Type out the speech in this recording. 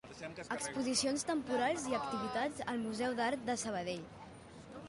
Exposicions temporals i activitats al Museu d'Art de Sabadell.